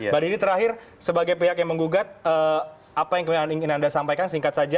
pak diri terakhir sebagai pihak yang menggugat apa yang ingin anda sampaikan singkat saja